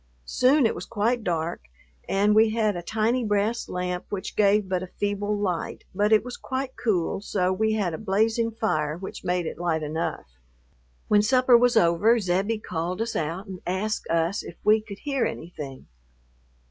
Soon it was quite dark and we had a tiny brass lamp which gave but a feeble light, but it was quite cool so we had a blazing fire which made it light enough. When supper was over, Zebbie called us out and asked us if we could hear anything.